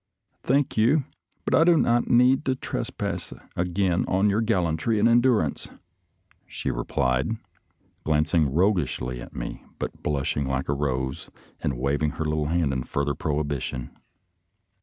" Thank you, but I do not need to trespass again on your gallantry and endurance," she replied, glancing roguishly at me, but blushing like a rose and waving her little hand in further prohibition.